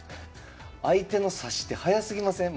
相手の指し手早すぎません？